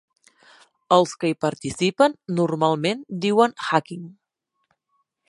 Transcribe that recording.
Els que hi participen normalment diuen "hacking".